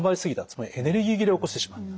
つまりエネルギー切れを起こしてしまった。